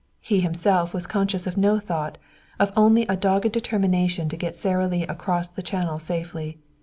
He himself was conscious of no thought, of only a dogged determination to get Sara Lee across the channel safely.